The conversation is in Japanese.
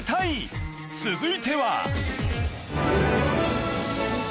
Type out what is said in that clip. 続いては